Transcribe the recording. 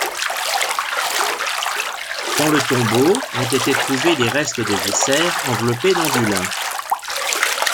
Dans le tombeau ont été trouvés des restes de viscères enveloppés dans du lin.